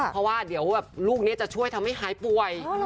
เพราะว่าเดี๋ยวลูกนี้จะช่วยทำให้หายป่วย